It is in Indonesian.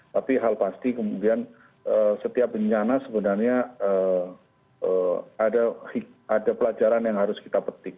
tapi hal pasti kemudian setiap bencana sebenarnya ada pelajaran yang harus kita petik